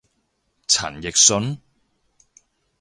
陳奕迅？